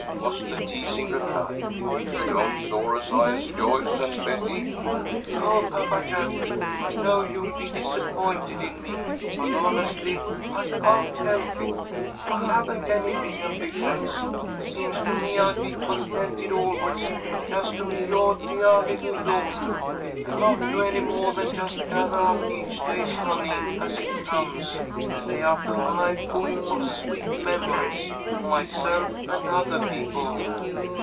was the teasing reply. "You don't soar as high as Joyce and Betty." "Oh, Papa Jack, I know you'll be disappointed in me, but, honestly, I can't help it! I haven't any big ambitions. Seems to me I'd be contented always, just to be you'ah deah little daughtah, and not do any moah than just gathah up each day's honey as it comes and lay up a hive full of sweet memories for myself and othah people."